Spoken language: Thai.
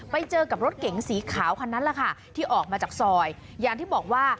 ไปเจอกับรถเก๋งสีขาวคันนั้นแหละค่ะที่ออกมาจากซอยอย่างที่บอกว่า